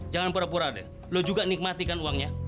jangan pura pura deh lo juga nikmatikan uangnya